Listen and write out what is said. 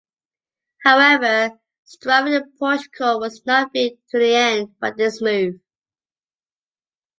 However, strife with Portugal was not put to an end by this move.